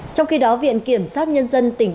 trong khi đó viện kiểm soát nhân dân tỉnh đồng nam